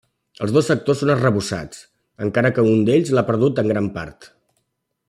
Els dos sectors són arrebossats, encara que un d'ells l'ha perdut en gran part.